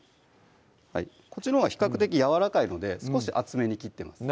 こっちのほうが比較的やわらかいので少し厚めに切ってます